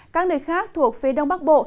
các nơi khác thuộc phía đông bắc bộ